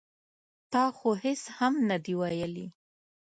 ـ تا خو هېڅ هم نه دي ویلي.